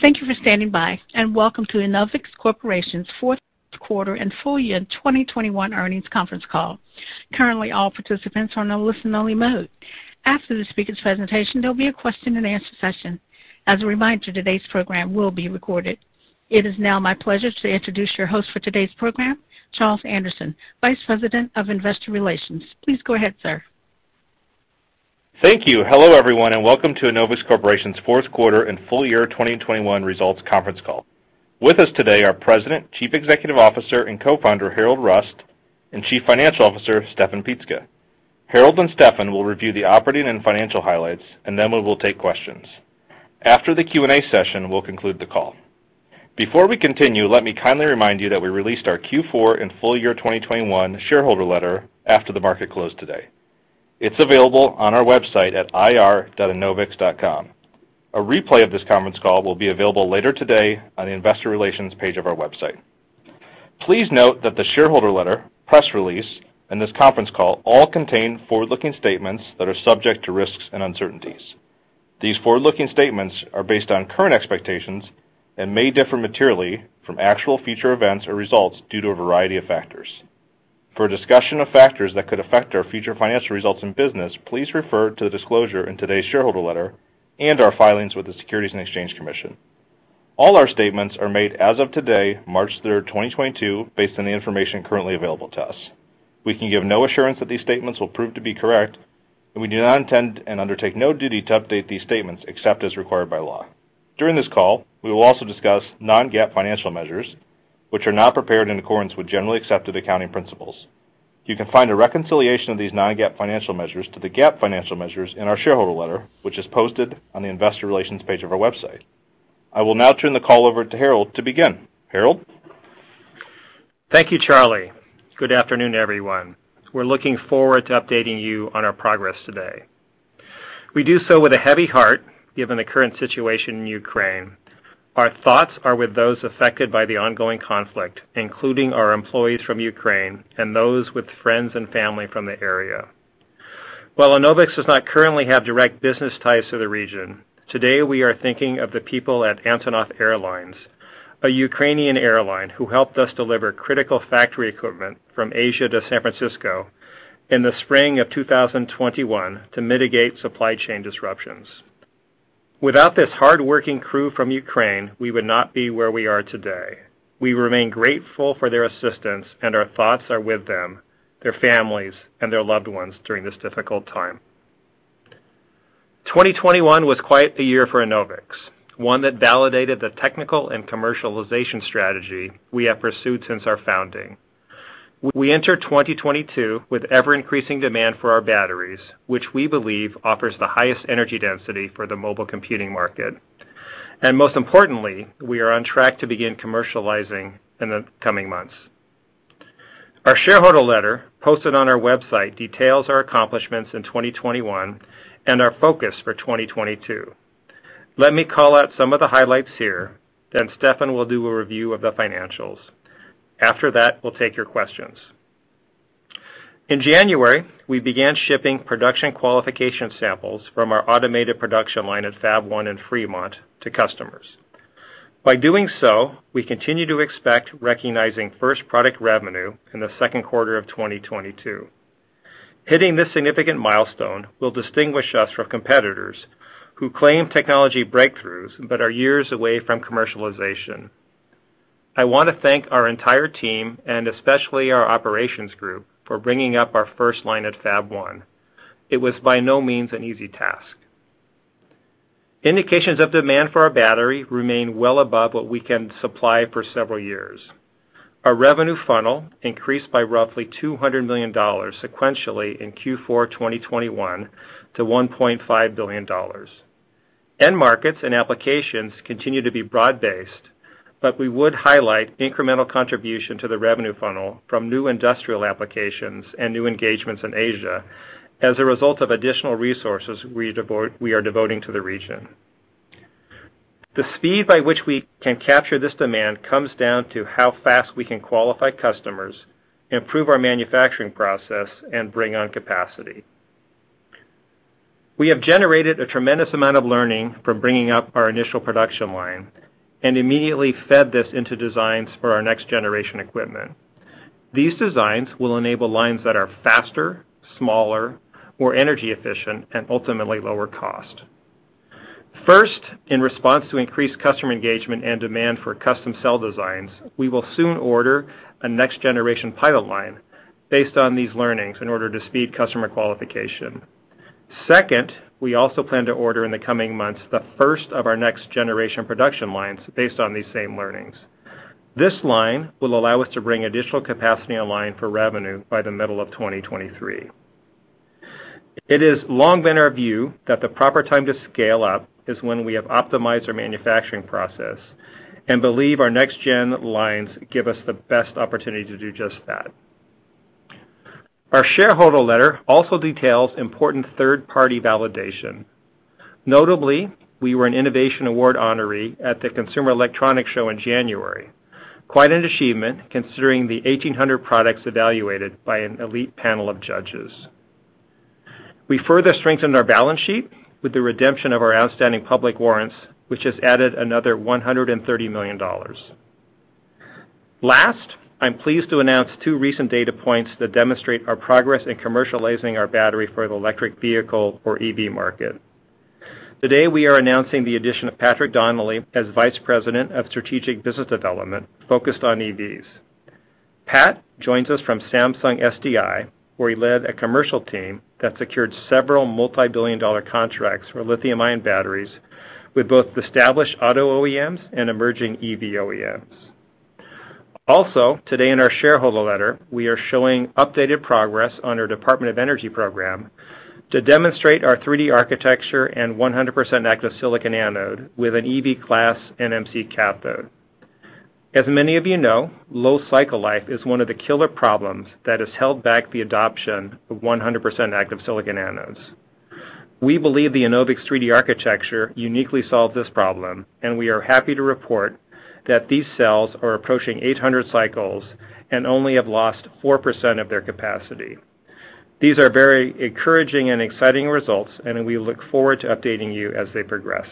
Thank you for standing by, and welcome to Enovix Corporation's fourth quarter and full year 2021 earnings conference call. Currently, all participants are on a listen-only mode. After the speaker's presentation, there'll be a question and answer session. As a reminder, today's program will be recorded. It is now my pleasure to introduce your host for today's program, Charles Anderson, Vice President of Investor Relations. Please go ahead, sir. Thank you. Hello, everyone, and welcome to Enovix Corporation's fourth quarter and full year 2021 results conference call. With us today are President, Chief Executive Officer, and Co-founder, Harrold Rust, and Chief Financial Officer, Steffen Pietzke. Harrold and Steffen will review the operating and financial highlights, and then we will take questions. After the Q&A session, we'll conclude the call. Before we continue, let me kindly remind you that we released our Q4 and full year 2021 shareholder letter after the market closed today. It's available on our website at ir.enovix.com. A replay of this conference call will be available later today on the investor relations page of our website. Please note that the shareholder letter, press release, and this conference call all contain forward-looking statements that are subject to risks and uncertainties. These forward-looking statements are based on current expectations and may differ materially from actual future events or results due to a variety of factors. For a discussion of factors that could affect our future financial results and business, please refer to the disclosure in today's shareholder letter and our filings with the Securities and Exchange Commission. All our statements are made as of today, March third, 2022, based on the information currently available to us. We can give no assurance that these statements will prove to be correct, and we do not intend and undertake no duty to update these statements except as required by law. During this call, we will also discuss non-GAAP financial measures, which are not prepared in accordance with generally accepted accounting principles. You can find a reconciliation of these non-GAAP financial measures to the GAAP financial measures in our shareholder letter, which is posted on the investor relations page of our website. I will now turn the call over to Harrold to begin. Harrold? Thank you, Charlie. Good afternoon, everyone. We're looking forward to updating you on our progress today. We do so with a heavy heart, given the current situation in Ukraine. Our thoughts are with those affected by the ongoing conflict, including our employees from Ukraine and those with friends and family from the area. While Enovix does not currently have direct business ties to the region, today we are thinking of the people at Antonov Airlines, a Ukrainian airline who helped us deliver critical factory equipment from Asia to San Francisco in the spring of 2021 to mitigate supply chain disruptions. Without this hardworking crew from Ukraine, we would not be where we are today. We remain grateful for their assistance, and our thoughts are with them, their families and their loved ones during this difficult time. 2021 was quite the year for Enovix, one that validated the technical and commercialization strategy we have pursued since our founding. We enter 2022 with ever-increasing demand for our batteries, which we believe offers the highest energy density for the mobile computing market. Most importantly, we are on track to begin commercializing in the coming months. Our shareholder letter, posted on our website, details our accomplishments in 2021 and our focus for 2022. Let me call out some of the highlights here, then Steffen will do a review of the financials. After that, we'll take your questions. In January, we began shipping production qualification samples from our automated production line at Fab-1 in Fremont to customers. By doing so, we continue to expect recognizing first product revenue in the second quarter of 2022. Hitting this significant milestone will distinguish us from competitors who claim technology breakthroughs but are years away from commercialization. I want to thank our entire team and especially our operations group for bringing up our first line at Fab-1. It was by no means an easy task. Indications of demand for our battery remain well above what we can supply for several years. Our revenue funnel increased by roughly $200 million sequentially in Q4 2021 to $1.5 billion. End markets and applications continue to be broad-based, but we would highlight incremental contribution to the revenue funnel from new industrial applications and new engagements in Asia as a result of additional resources we are devoting to the region. The speed by which we can capture this demand comes down to how fast we can qualify customers, improve our manufacturing process and bring on capacity. We have generated a tremendous amount of learning from bringing up our initial production line and immediately fed this into designs for our next generation equipment. These designs will enable lines that are faster, smaller, more energy efficient and ultimately lower cost. First, in response to increased customer engagement and demand for custom cell designs, we will soon order a next generation pilot line based on these learnings in order to speed customer qualification. Second, we also plan to order in the coming months, the first of our next generation production lines based on these same learnings. This line will allow us to bring additional capacity online for revenue by the middle of 2023. It is long been our view that the proper time to scale up is when we have optimized our manufacturing process and believe our next gen lines give us the best opportunity to do just that. Our shareholder letter also details important third-party validation. Notably, we were an Innovation Award honoree at the Consumer Electronics Show in January. Quite an achievement, considering the 1,800 products evaluated by an elite panel of judges. We further strengthened our balance sheet with the redemption of our outstanding public warrants, which has added another $130 million. Last, I'm pleased to announce two recent data points that demonstrate our progress in commercializing our battery for the electric vehicle or EV market. Today, we are announcing the addition of Patrick Donnelly as Vice President of Strategic Business Development focused on EVs. Pat joins us from Samsung SDI, where he led a commercial team that secured several multi-billion dollar contracts for lithium-ion batteries with both established auto OEMs and emerging EV OEMs. Also, today in our shareholder letter, we are showing updated progress on our Department of Energy program to demonstrate our 3D architecture and 100% active silicon anode with an EV class NMC cathode. As many of you know, low cycle life is one of the killer problems that has held back the adoption of 100% active silicon anodes. We believe the Enovix 3D architecture uniquely solve this problem, and we are happy to report that these cells are approaching 800 cycles and only have lost 4% of their capacity. These are very encouraging and exciting results, and we look forward to updating you as they progress.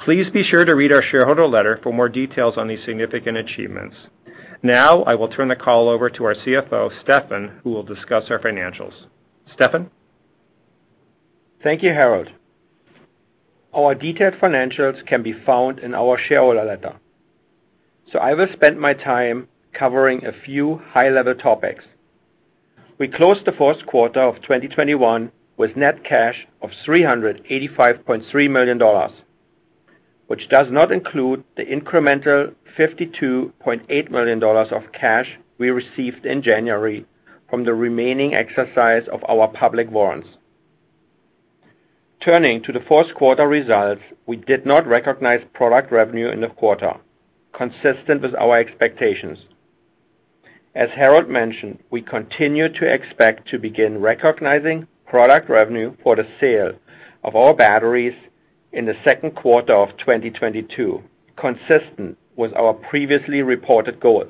Please be sure to read our shareholder letter for more details on these significant achievements. Now I will turn the call over to our CFO, Steffen, who will discuss our financials. Steffen? Thank you, Harrold. Our detailed financials can be found in our shareholder letter. I will spend my time covering a few high-level topics. We closed the first quarter of 2021 with net cash of $385.3 million, which does not include the incremental $52.8 million of cash we received in January from the remaining exercise of our public warrants. Turning to the fourth quarter results, we did not recognize product revenue in the quarter, consistent with our expectations. As Harrold mentioned, we continue to expect to begin recognizing product revenue for the sale of our batteries in the second quarter of 2022, consistent with our previously reported goal.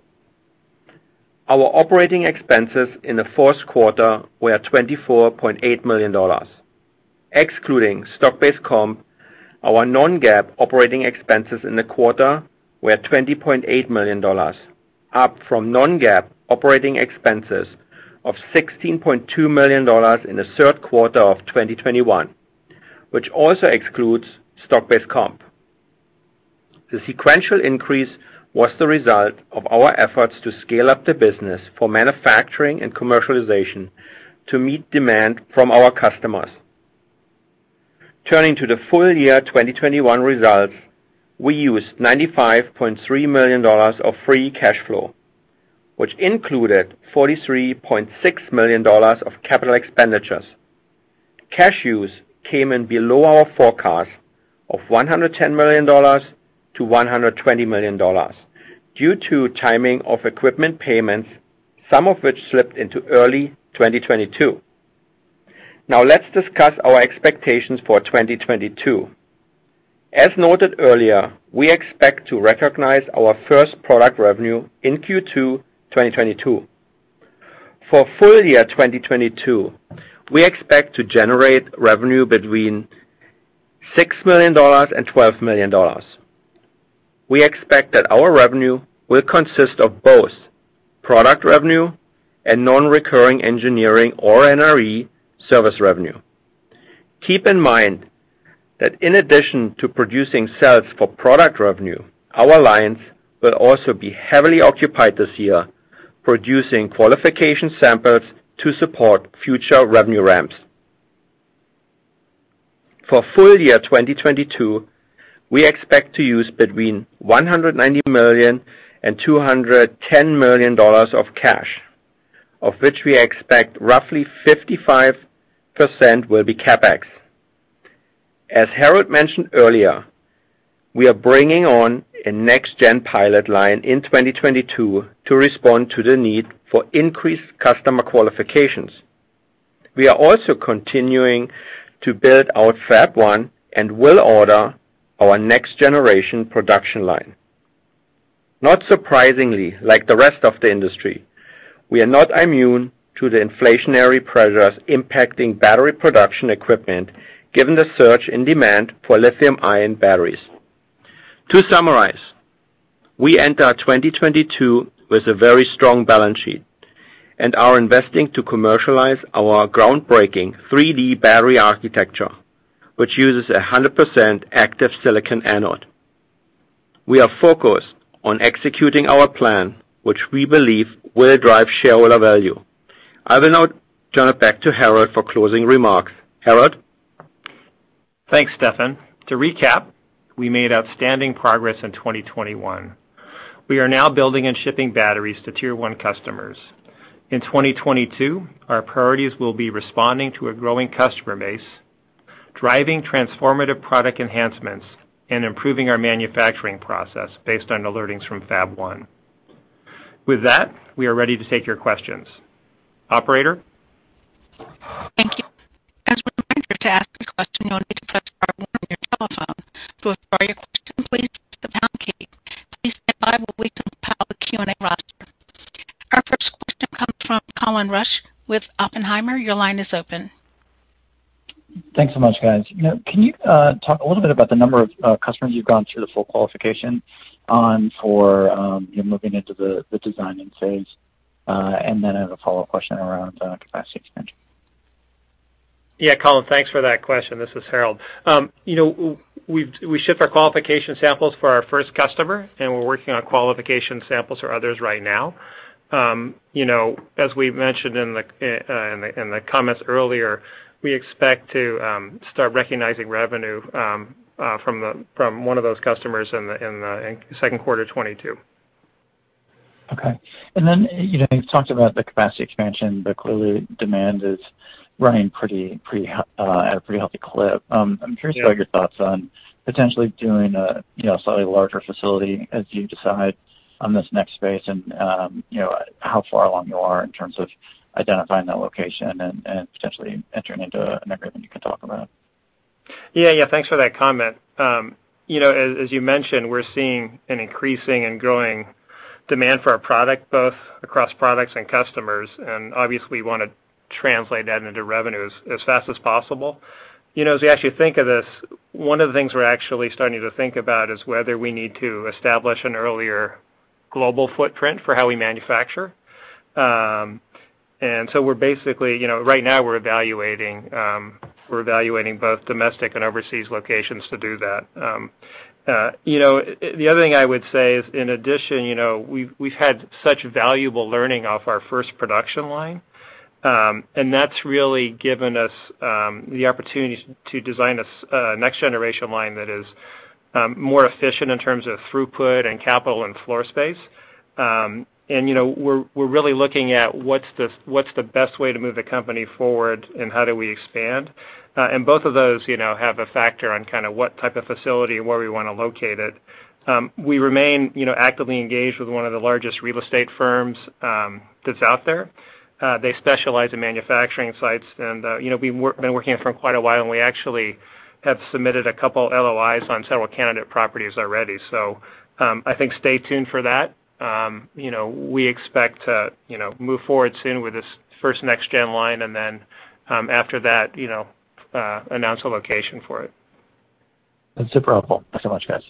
Our operating expenses in the first quarter were $24.8 million. Excluding stock-based comp, our non-GAAP operating expenses in the quarter were $20.8 million, up from non-GAAP operating expenses of $16.2 million in the third quarter of 2021, which also excludes stock-based comp. The sequential increase was the result of our efforts to scale up the business for manufacturing and commercialization to meet demand from our customers. Turning to the full year 2021 results, we used $95.3 million of free cash flow, which included $43.6 million of capital expenditures. Cash use came in below our forecast of $110 million-$120 million due to timing of equipment payments, some of which slipped into early 2022. Now let's discuss our expectations for 2022. As noted earlier, we expect to recognize our first product revenue in Q2 2022. For full year 2022, we expect to generate revenue between $6 million and $12 million. We expect that our revenue will consist of both product revenue and non-recurring engineering or NRE service revenue. Keep in mind that in addition to producing sales for product revenue, our lines will also be heavily occupied this year, producing qualification samples to support future revenue ramps. For full year 2022, we expect to use between 190 million and $210 million of cash, of which we expect roughly 55% will be CapEx. As Harrold mentioned earlier, we are bringing on a next-gen pilot line in 2022 to respond to the need for increased customer qualifications. We are also continuing to build out Fab- One and will order our next generation production line. Not surprisingly, like the rest of the industry, we are not immune to the inflationary pressures impacting battery production equipment given the surge in demand for lithium-ion batteries. To summarize, we enter 2022 with a very strong balance sheet and are investing to commercialize our groundbreaking 3D battery architecture, which uses 100% active silicon anode. We are focused on executing our plan, which we believe will drive shareholder value. I will now turn it back to Harrold for closing remarks. Harrold? Thanks, Steffen. To recap, we made outstanding progress in 2021. We are now building and shipping batteries to tier one customers. In 2022, our priorities will be responding to a growing customer base, driving transformative product enhancements, and improving our manufacturing process based on the learnings from Fab-1. With that, we are ready to take your questions. Operator? Thank you. As a reminder, to ask a question, you'll need to press star one on your telephone. To withdraw your question, please stand by while we compile the Q&A roster. Our first question comes from Colin Rusch with Oppenheimer. Your line is open. Thanks so much, guys. You know, can you talk a little bit about the number of customers you've gone through the full qualification on for, you know, moving into the designing phase? Then I have a follow-up question around capacity expansion. Yeah. Colin, thanks for that question. This is Harrold. You know, we ship our qualification samples for our first customer, and we're working on qualification samples for others right now. You know, as we've mentioned in the comments earlier, we expect to start recognizing revenue from one of those customers in the second quarter 2022. Okay. You know, you've talked about the capacity expansion, but clearly demand is running pretty at a pretty healthy clip. I'm curious about your thoughts on potentially doing a, you know, slightly larger facility as you decide on this next phase and, you know, how far along you are in terms of identifying that location and potentially entering into it, and everything you can talk about. Yeah. Yeah, thanks for that comment. You know, as you mentioned, we're seeing an increasing and growing demand for our product, both across products and customers, and obviously we wanna translate that into revenues as fast as possible. You know, as you actually think of this, one of the things we're actually starting to think about is whether we need to establish an earlier global footprint for how we manufacture. We're basically, you know, right now we're evaluating both domestic and overseas locations to do that. You know, the other thing I would say is in addition, you know, we've had such valuable learning off our first production line, and that's really given us the opportunity to design a next generation line that is more efficient in terms of throughput and capital and floor space. You know, we're really looking at what's the best way to move the company forward and how do we expand. Both of those, you know, have a factor on kind of what type of facility and where we wanna locate it. We remain, you know, actively engaged with one of the largest real estate firms that's out there. They specialize in manufacturing sites and, you know, we've been working with them for quite a while, and we actually have submitted a couple of LOIs on several candidate properties already. I think stay tuned for that. You know, we expect to, you know, move forward soon with this first next gen line and then, after that, you know, announce a location for it. That's super helpful. Thanks so much, guys.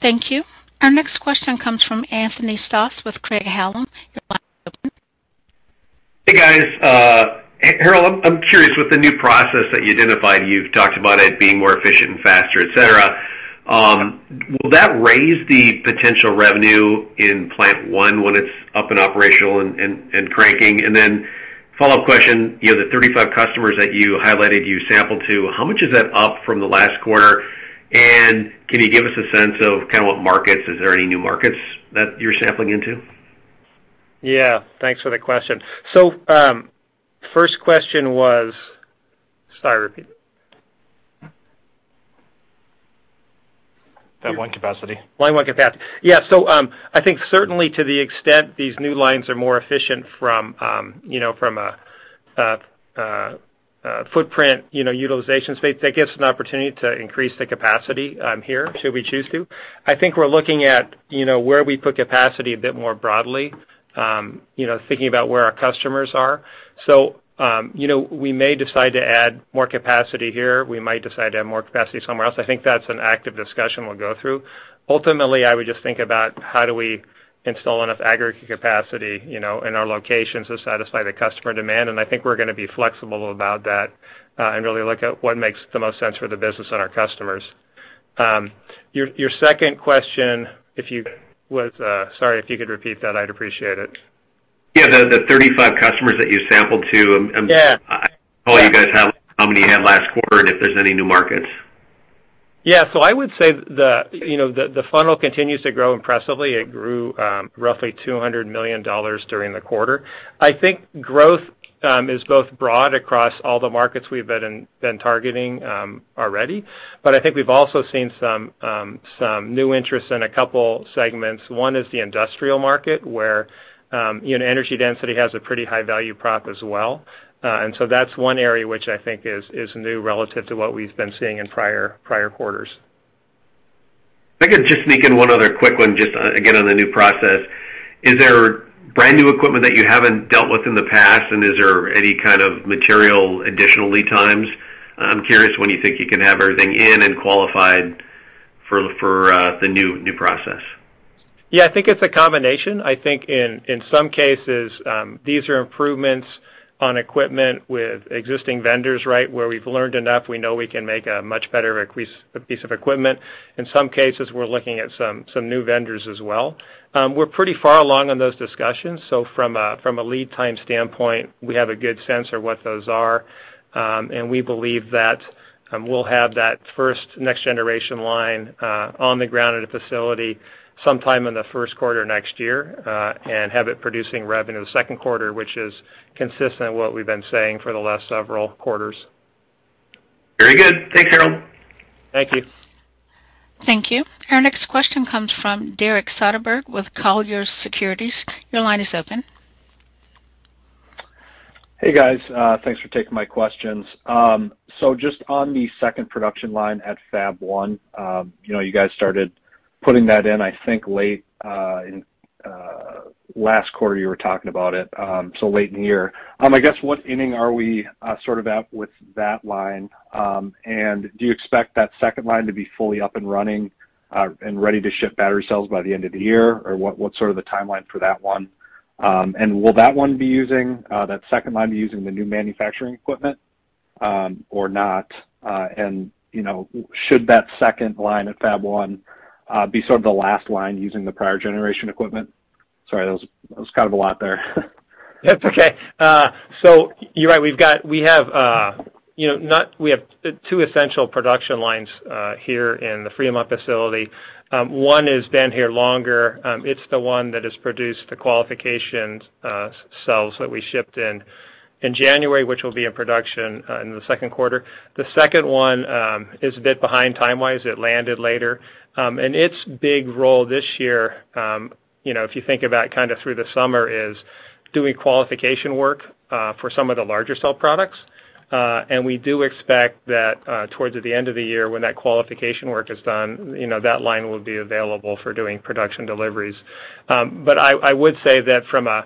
Thank you. Our next question comes from Anthony Stoss with Craig-Hallum. Your line is open. Hey, guys. Harrold, I'm curious, with the new process that you identified, you've talked about it being more efficient and faster, et cetera, will that raise the potential revenue in plant one when it's up and operational and cranking? And then follow-up question, you know, the 35 customers that you highlighted you sampled to, how much is that up from the last quarter? And can you give us a sense of kind of what markets? Is there any new markets that you're sampling into? Thanks for the question. Sorry, repeat. That one capacity. Line one capacity. Yeah. I think certainly to the extent these new lines are more efficient from, you know, from a footprint, you know, utilization space, that gives an opportunity to increase the capacity here should we choose to. I think we're looking at, you know, where we put capacity a bit more broadly, you know, thinking about where our customers are. We may decide to add more capacity here. We might decide to add more capacity somewhere else. I think that's an active discussion we'll go through. Ultimately, I would just think about how do we install enough aggregate capacity, you know, in our locations to satisfy the customer demand, and I think we're going to be flexible about that, and really look at what makes the most sense for the business and our customers. Your second question, sorry, if you could repeat that, I'd appreciate it. Yeah, the 35 customers that you sampled to Yeah. I don't know if you guys have how many you had last quarter and if there's any new markets. Yeah. I would say the, you know, the funnel continues to grow impressively. It grew roughly $200 million during the quarter. I think growth is both broad across all the markets we've been targeting already. But I think we've also seen some new interest in a couple segments. One is the industrial market, where, you know, energy density has a pretty high value prop as well. That's one area which I think is new relative to what we've been seeing in prior quarters. If I could just sneak in one other quick one just, again, on the new process. Is there brand new equipment that you haven't dealt with in the past, and is there any kind of material additional lead times? I'm curious when you think you can have everything in and qualified for the new process. Yeah. I think it's a combination. I think in some cases, these are improvements on equipment with existing vendors, right? Where we've learned enough, we know we can make a much better piece of equipment. In some cases, we're looking at some new vendors as well. We're pretty far along on those discussions, so from a lead time standpoint, we have a good sense of what those are. We believe that we'll have that first next generation line on the ground at a facility sometime in the first quarter next year, and have it producing revenue the second quarter, which is consistent with what we've been saying for the last several quarters. Very good. Thanks, Harrold. Thank you. Thank you. Our next question comes from Derek Soderberg with Colliers Securities. Your line is open. Hey guys, thanks for taking my questions. Just on the second production line at Fab- 1, you know, you guys started putting that in, I think, late in last quarter you were talking about it, so late in the year. I guess what inning are we sort of at with that line? And do you expect that second line to be fully up and running and ready to ship battery cells by the end of the year? Or what's sort of the timeline for that one? And will that second line be using the new manufacturing equipment, or not? And, you know, should that second line at Fab-1 be sort of the last line using the prior generation equipment? Sorry, that was kind of a lot there. That's okay. So you're right. We have two essential production lines here in the Fremont facility. One has been here longer. It's the one that has produced the qualification cells that we shipped in January, which will be in production in the second quarter. The second one is a bit behind time-wise. It landed later. Its big role this year, you know, if you think about kind of through the summer, is doing qualification work for some of the larger cell products. We do expect that towards the end of the year when that qualification work is done, you know, that line will be available for doing production deliveries. I would say that from a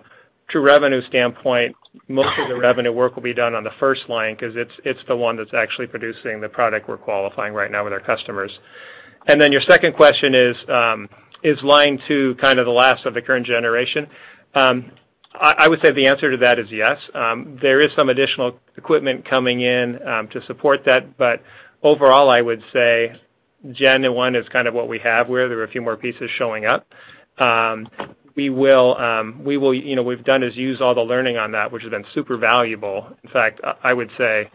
true revenue standpoint, most of the revenue work will be done on the first line 'cause it's the one that's actually producing the product we're qualifying right now with our customers. Your second question is line two kind of the last of the current generation? I would say the answer to that is yes. There is some additional equipment coming in to support that, but overall, I would say gen one is kind of what we have where there are a few more pieces showing up. You know, what we've done is use all the learning on that, which has been super valuable. In fact, I would say,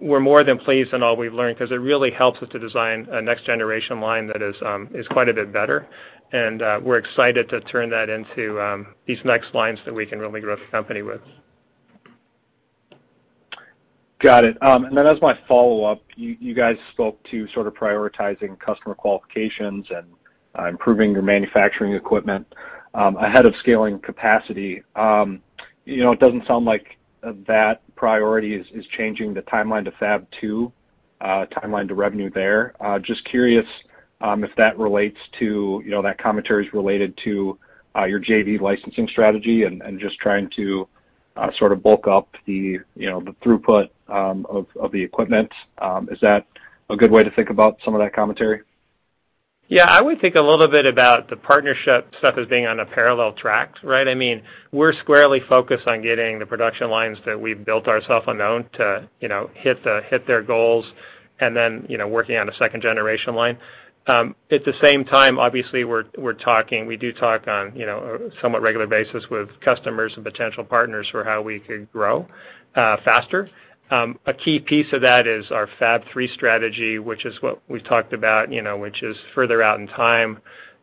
we're more than pleased in all we've learned 'cause it really helps us to design a next generation line that is quite a bit better, and we're excited to turn that into these next lines that we can really grow the company with. Got it. Then as my follow-up, you guys spoke to sort of prioritizing customer qualifications and improving your manufacturing equipment ahead of scaling capacity. You know, it doesn't sound like that priority is changing the timeline to Fab-2, timeline to revenue there. Just curious if that relates to, you know, that commentary is related to your JV licensing strategy and just trying to sort of bulk up the, you know, the throughput of the equipment. Is that a good way to think about some of that commentary? Yeah. I would think a little bit about the partnership stuff as being on parallel tracks, right? I mean, we're squarely focused on getting the production lines that we've built ourselves on our own to, you know, hit their goals and then, you know, working on a second generation line. At the same time, obviously, we do talk on, you know, a somewhat regular basis with customers and potential partners for how we could grow faster. A key piece of that is our Fab three strategy, which is what we talked about, you know, which is further out in time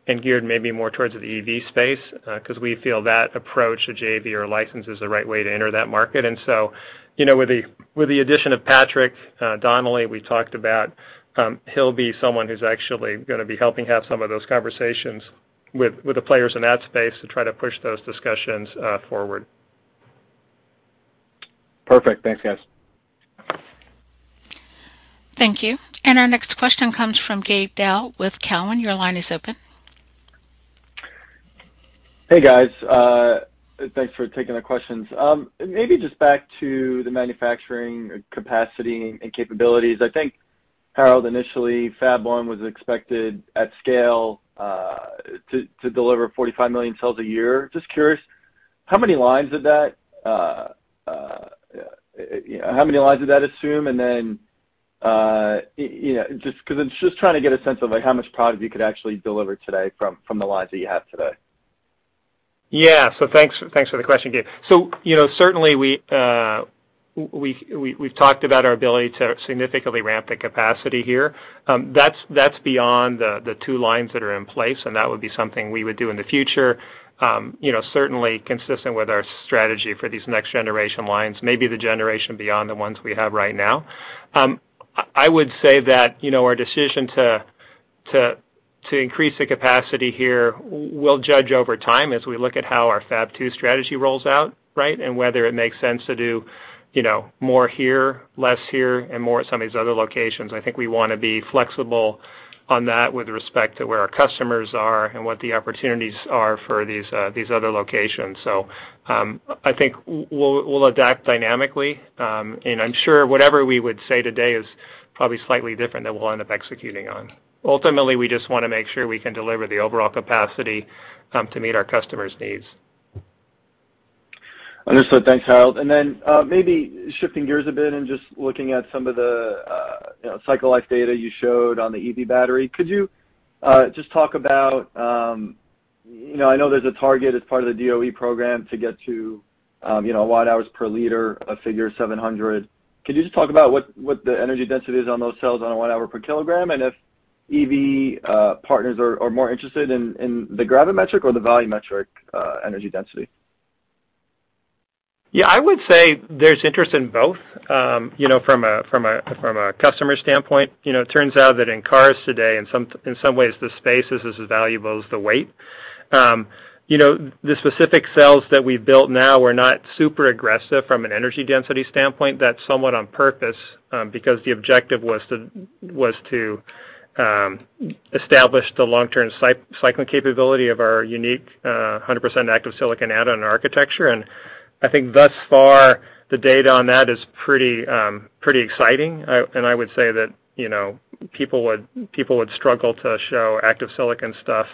and geared maybe more towards the EV space, 'cause we feel that approach to JV or license is the right way to enter that market. you know, with the addition of Patrick Donnelly we talked about, he'll be someone who's actually going to be helping have some of those conversations with the players in that space to try to push those discussions forward. Perfect. Thanks, guys. Thank you. Our next question comes from Gabe Daoud with Cowen. Your line is open. Hey, guys. Thanks for taking the questions. Maybe just back to the manufacturing capacity and capabilities. I think, Harrold, initially, Fab-1 was expected at scale to deliver 45 million cells a year. Just curious, how many lines did that assume? And then, you know, just 'cause I'm just trying to get a sense of, like, how much product you could actually deliver today from the lines that you have today. Thanks for the question, Gabe. You know, certainly we've talked about our ability to significantly ramp the capacity here. That's beyond the two lines that are in place, and that would be something we would do in the future. You know, certainly consistent with our strategy for these next generation lines, maybe the generation beyond the ones we have right now. I would say that, you know, our decision to increase the capacity here, we'll judge over time as we look at how our Fab-2 strategy rolls out, right? Whether it makes sense to do, you know, more here, less here, and more at some of these other locations. I think we want to be flexible on that with respect to where our customers are and what the opportunities are for these other locations. I think we'll adapt dynamically. I'm sure whatever we would say today is probably slightly different than we'll end up executing on. Ultimately, we just wanna make sure we can deliver the overall capacity to meet our customers' needs. Understood. Thanks, Harrold. Maybe shifting gears a bit and just looking at some of the, you know, cycle life data you showed on the EV battery. Could you just talk about, you know, I know there's a target as part of the DOE program to get to, you know, watt-hours per liter of figure 700. Could you just talk about what the energy density is on those cells on a watt-hour per kilogram, and if EV partners are more interested in the gravimetric or the volumetric energy density? Yeah. I would say there's interest in both. You know, from a customer standpoint, you know, it turns out that in cars today, in some ways, the space is as valuable as the weight. You know, the specific cells that we've built now are not super aggressive from an energy density standpoint. That's somewhat on purpose, because the objective was to establish the long-term cycling capability of our unique 100% active silicon anode and architecture. And I think thus far, the data on that is pretty exciting. And I would say that, you know, people would struggle to show active silicon stuff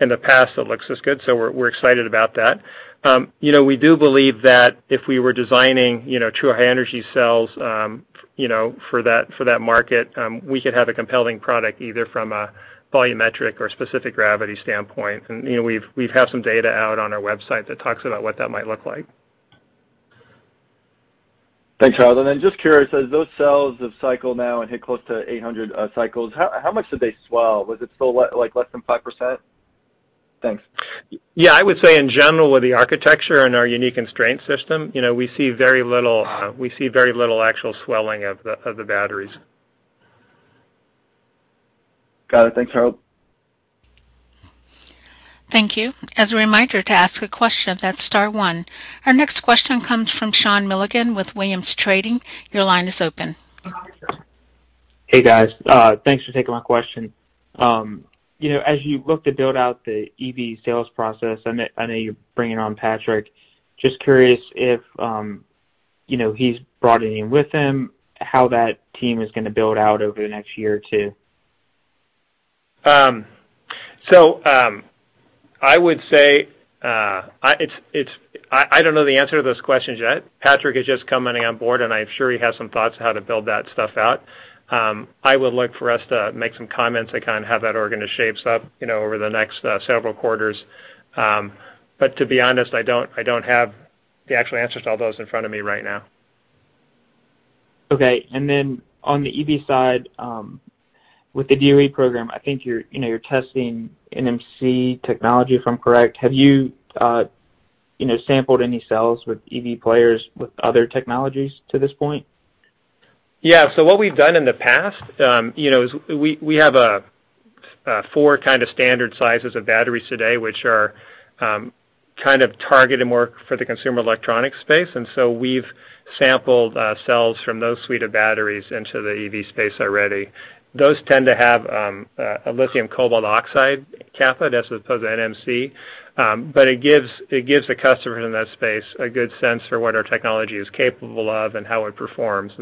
in the past that looks as good. So we're excited about that. You know, we do believe that if we were designing true high energy cells, you know, for that market, we could have a compelling product, either from a volumetric or gravimetric standpoint. You know, we have some data out on our website that talks about what that might look like. Thanks, Harrold. Just curious, as those cells have cycled now and hit close to 800 cycles, how much did they swell? Was it still like less than 5%? Thanks. Yeah. I would say in general, with the architecture and our unique and constraint system, you know, we see very little actual swelling of the batteries. Got it. Thanks, Harrold. Thank you. As a reminder, to ask a question, that's star one. Our next question comes from Sean Milligan with Williams Trading. Your line is open. Hey, guys. Thanks for taking my question. You know, as you look to build out the EV sales process, I know you're bringing on Patrick. Just curious if, you know, he's brought any in with him, how that team is gonna build out over the next year or two. I would say I don't know the answer to those questions yet. Patrick is just coming on board, and I'm sure he has some thoughts on how to build that stuff out. I would look for us to make some comments on kind of how that organization is shaped up, you know, over the next several quarters. To be honest, I don't have the actual answers to all those in front of me right now. Okay. On the EV side, with the DOE program, I think you're, you know, you're testing NMC technology, if I'm correct. Have you know, sampled any cells with EV players with other technologies to this point Yeah. What we've done in the past is we have four kind of standard sizes of batteries today, which are kind of targeted more for the consumer electronics space. We've sampled cells from those suite of batteries into the EV space already. Those tend to have a lithium cobalt oxide cathode as opposed to NMC. It gives the customers in that space a good sense for what our technology is capable of and how it performs.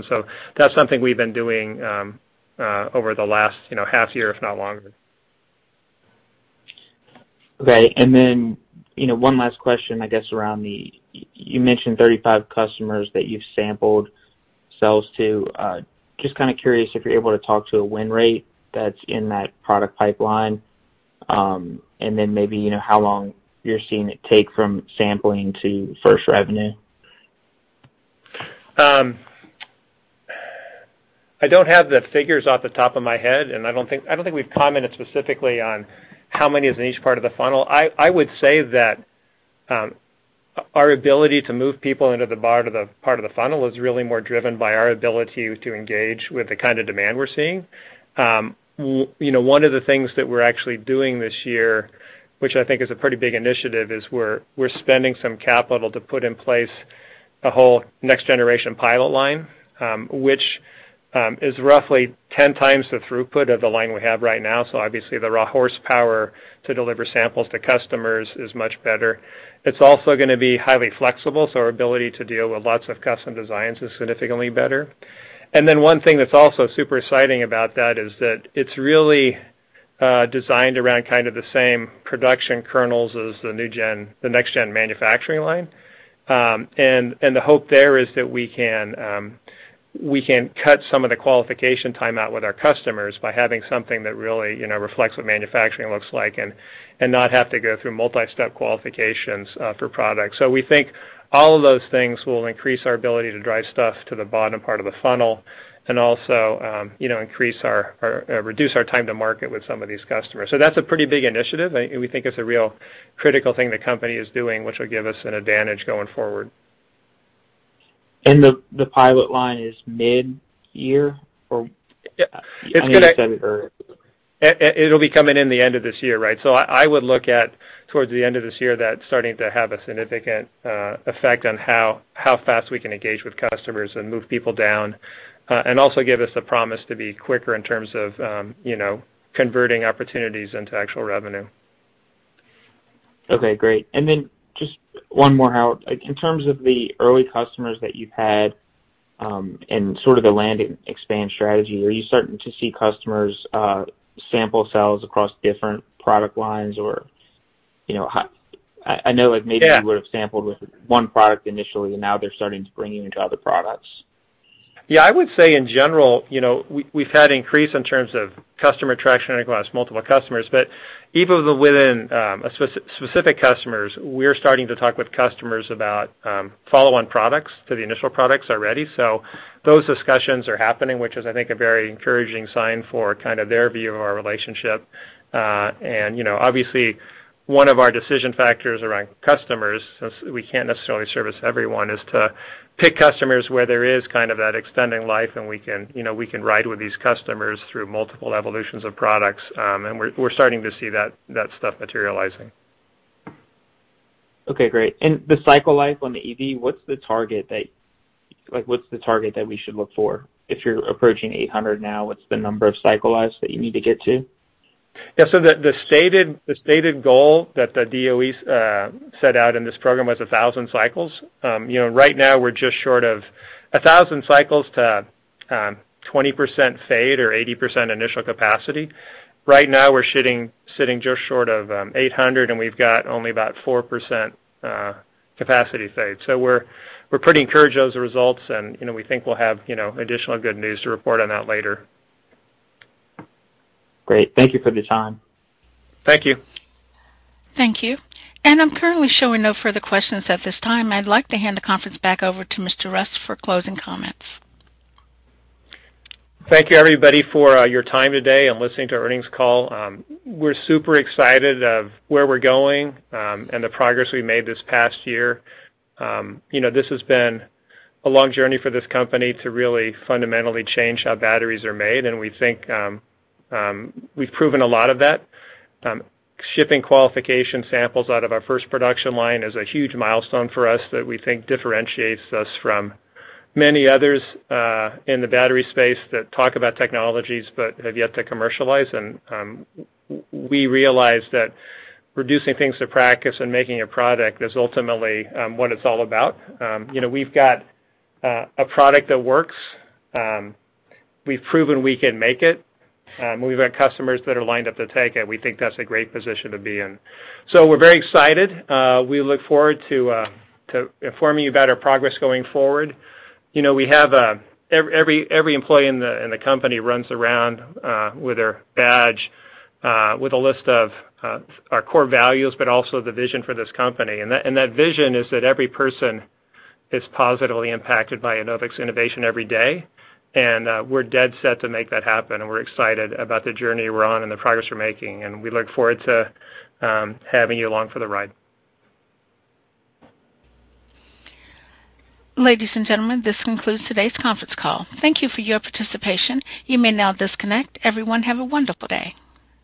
That's something we've been doing over the last half year, if not longer. Okay. You know, one last question, I guess around the. You mentioned 35 customers that you've sampled cells to. Just kind of curious if you're able to talk to a win rate that's in that product pipeline. And then maybe, you know, how long you're seeing it take from sampling to first revenue. I don't have the figures off the top of my head, and I don't think we've commented specifically on how many is in each part of the funnel. I would say that our ability to move people into the bottom of the funnel is really more driven by our ability to engage with the kind of demand we're seeing. You know, one of the things that we're actually doing this year, which I think is a pretty big initiative, is we're spending some capital to put in place a whole next generation pilot line, which is roughly 10 times the throughput of the line we have right now. Obviously the raw horsepower to deliver samples to customers is much better. It's also going to be highly flexible, so our ability to deal with lots of custom designs is significantly better. Then one thing that's also super exciting about that is that it's really designed around kind of the same production kernels as the next gen manufacturing line. And the hope there is that we can cut some of the qualification time out with our customers by having something that really, you know, reflects what manufacturing looks like and not have to go through multi-step qualifications for products. We think all of those things will increase our ability to drive stuff to the bottom part of the funnel and also, you know, or reduce our time to market with some of th.ese customers That's a pretty big initiative, and we think it's a real critical thing the company is doing, which will give us an advantage going forward. The pilot line is midyear or- It's going to- Any percent or- It'll be coming in the end of this year, right. I would look towards the end of this year, that's starting to have a significant effect on how fast we can engage with customers and move people down and also give us a promise to be quicker in terms of you know, converting opportunities into actual revenue. Okay, great. Then just one more, Harrold. In terms of the early customers that you've had, and sort of the land and expand strategy, are you starting to see customers, sample sales across different product lines? Or, you know, I know like maybe- Yeah. you would have sampled with one product initially, and now they're starting to bring you into other products. Yeah. I would say in general, you know, we've had increase in terms of customer traction across multiple customers. Even within a specific customers, we're starting to talk with customers about follow on products to the initial products already. Those discussions are happening, which is, I think, a very encouraging sign for kind of their view of our relationship. You know, obviously one of our decision factors around customers, since we can't necessarily service everyone, is to pick customers where there is kind of that extending life and we can, you know, ride with these customers through multiple evolutions of products. We're starting to see that stuff materializing. Okay, great. The cycle life on the EV, what's the target that we should look for? If you're approaching 800 now, what's the number of cycle lives that you need to get to? Yeah. The stated goal that the DOE's set out in this program was 1,000 cycles. You know, right now we're just short of 1,000 cycles to 20% fade or 80% initial capacity. Right now, we're sitting just short of 800, and we've got only about 4% capacity fade. We're pretty encouraged with those results, and you know, we think we'll have you know, additional good news to report on that later. Great. Thank you for your time. Thank you. Thank you. I'm currently showing no further questions at this time. I'd like to hand the conference back over to Mr. Rust for closing comments. Thank you, everybody, for your time today and listening to our earnings call. We're super excited of where we're going and the progress we made this past year. You know, this has been a long journey for this company to really fundamentally change how batteries are made, and we think we've proven a lot of that. Shipping qualification samples out of our first production line is a huge milestone for us that we think differentiates us from many others in the battery space that talk about technologies but have yet to commercialize. We realize that reducing things to practice and making a product is ultimately what it's all about. You know, we've got a product that works. We've proven we can make it. We've had customers that are lined up to take it. We think that's a great position to be in. We're very excited. We look forward to informing you about our progress going forward. We have every employee in the company runs around with their badge with a list of our core values, but also the vision for this company. That vision is that every person is positively impacted by Enovix innovation every day, and we're dead set to make that happen. We're excited about the journey we're on and the progress we're making, and we look forward to having you along for the ride. Ladies and gentlemen, this concludes today's conference call. Thank you for your participation. You may now disconnect. Everyone, have a wonderful day.